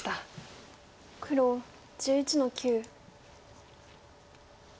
黒１１の九。